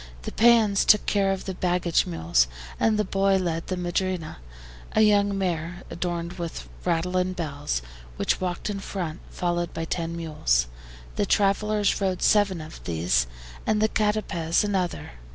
The PEONS took care of the baggage mules, and the boy led the MADRINA, a young mare adorned with rattle and bells, which walked in front, followed by ten mules. The travelers rode seven of these, and the CATAPEZ another.